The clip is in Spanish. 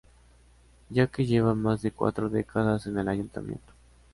ya que lleva más de cuatro décadas en el ayuntamiento